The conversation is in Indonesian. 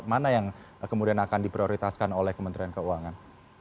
mana yang kemudian akan diprioritaskan oleh kementerian keuangan